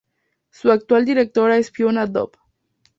Su actual directora es Fiona Dove.